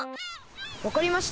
わかりました。